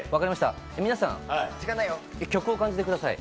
皆さん、曲を感じてください。